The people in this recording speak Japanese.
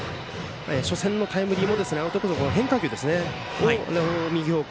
初戦のタイムリーもアウトコースの変化球ですね、それを右方向